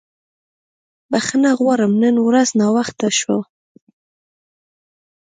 بښنه غواړم نن ورځ ناوخته شو.